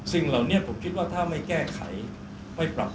สิ่งเหล่านี้ผมคิดว่าถ้าไม่แก้ไขไม่ปรับ